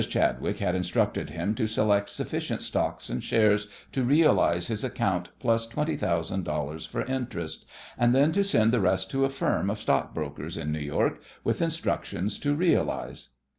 Chadwick had instructed him to select sufficient stocks and shares to realize his account plus twenty thousand dollars for interest, and then to send the rest to a firm of stockbrokers in New York with instructions to realize.